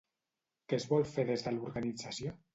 Què es vol fer des de l'organització?